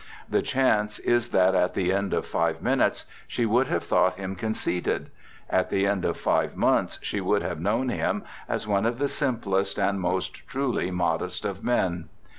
The chance is that at the end of five minutes she would have thought him conceited. At the end of five months she would have known him as one of the simplest and most truly modest of men.